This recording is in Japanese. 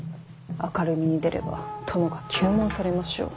明るみに出れば殿が糾問されましょう。